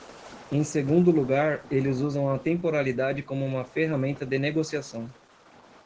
Em segundo lugar, eles usam a temporalidade como uma ferramenta de negociação.